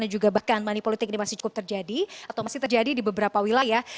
dan juga bahkan manipolitik ini masih cukup terjadi atau masih terjadi di beberapa wilayah